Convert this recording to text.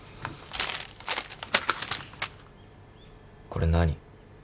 これ何？